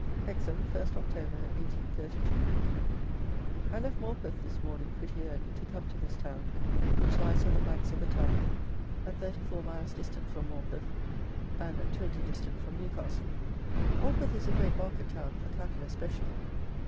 Hexham, 1st Oct., 1832. I left Morpeth this morning pretty early, to come to this town, which lies on the banks of the Tyne, at thirty four miles distant from Morpeth, and at twenty distant from Newcastle. Morpeth is a great market town, for cattle especially.